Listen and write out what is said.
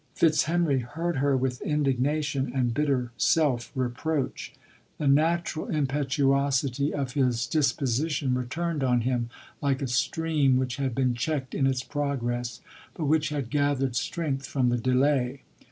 Fitzhenry heard her with indignation and bitter self reproach. The natural impetu osity of his disposition returned on him, like a stream which had been cheeked in its progri but which had gathered strength from the de lay.